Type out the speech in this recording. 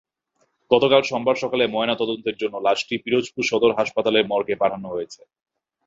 গতকাল সোমবার সকালে ময়নাতদন্তের জন্য লাশটি পিরোজপুর সদর হাসপাতালের মর্গে পাঠানো হয়েছে।